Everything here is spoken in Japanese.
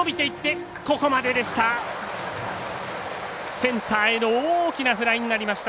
センターへの大きなフライになりました。